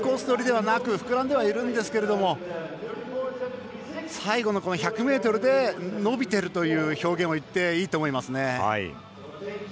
取りではなく膨らんではいるんですけど最後の１００ｍで伸びてるという表現を言っていいと思います。